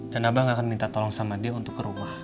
dan abang akan minta tolong sama dia untuk ke rumah